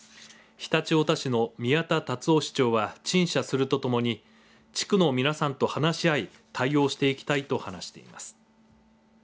常陸太田市の宮田達夫市長は陳謝するとともに地区の皆さんと話し合い対応していきたいと話しています。